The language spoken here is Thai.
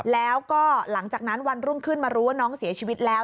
แล้วก็หลังจากนั้นวันรุ่งขึ้นมารู้ว่าน้องเสียชีวิตแล้ว